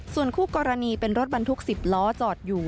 ส่วนคู่กรณีเป็นรถบรรทุก๑๐ล้อจอดอยู่